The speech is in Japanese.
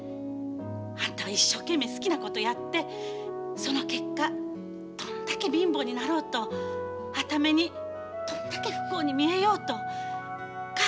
あんたが一生懸命好きなことやってその結果どんだけ貧乏になろうとはた目にどんだけ不幸に見えようと母ちゃんそれが一番うれしいわ。